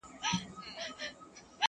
چی د ژوند مو هر گړی راته ناورین سی،